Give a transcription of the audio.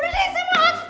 udah saya mau lewat